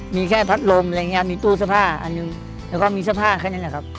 มีแค่พัดลมอะไรอย่างเงี้ยมีตู้สภาพอันนึงแล้วก็มีสภาพแค่นั้นแหละครับ